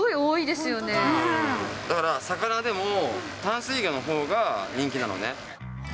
だから魚でも、淡水魚のほうが人気なのね。